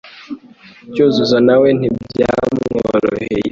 Cyuzuzo na we ntibyamworoheye